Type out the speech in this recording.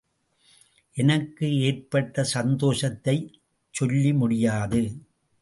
எனக்கு ஏற்பட்ட சந்தோஷத்தைச் சொல்லி முடியாது!